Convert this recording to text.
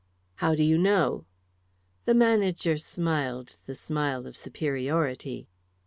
"How do you know?" The manager smiled the smile of superiority.